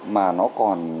mà nó còn